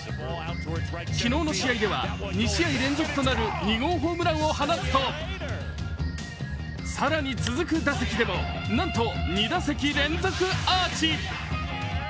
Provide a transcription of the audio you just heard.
昨日の試合では２試合連続となる２号ホームランを放つと更に続く打席でもなんと２打席連続アーチ。